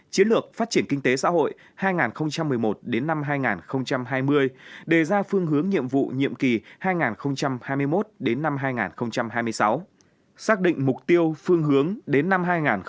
chiến lược phát triển kinh tế xã hội hai nghìn một mươi một đến năm hai nghìn hai mươi đề ra phương hướng nhiệm vụ nhiệm kỳ hai nghìn hai mươi một đến năm hai nghìn hai mươi sáu xác định mục tiêu phương hướng đến năm hai nghìn ba mươi